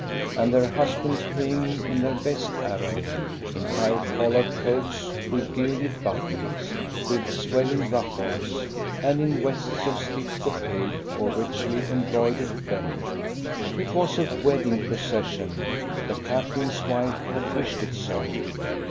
And their husbands came in their best array, in high collared coats with gilded buttons, with swelling ruffles, and in vests of stiff brocade or richly embroidered velvet. It was a wedding procession; the captain's wife had wished it so.